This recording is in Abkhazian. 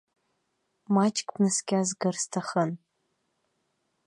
Маҷк бнаскьазгар сҭахын.